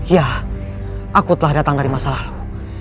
ya aku telah datang dari masa lalu